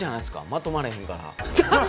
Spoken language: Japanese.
まとまれへんから。